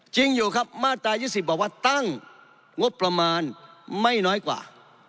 จริงอยู่ครับมาตราย๒๐บอกว่าตั้งงบประมาณไม่น้อยกว่า